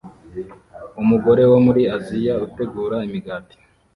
Umugore wo muri Aziya utegura imigati